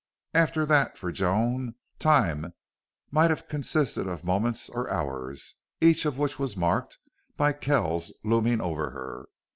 After that for Joan time might have consisted of moments or hours, each of which was marked by Kells looming over her.